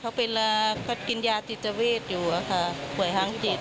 เขาป่วยเขากินยาจิตเจ้าเวทอยู่ค่ะป่วยทางจิต